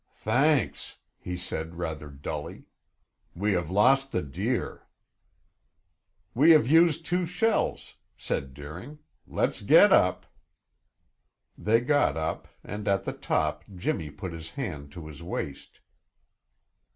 "Thanks!" he said, rather dully. "We have lost the deer." "We have used two shells," said Deering. "Let's get up." They got up, and at the top Jimmy put his hand to his waist.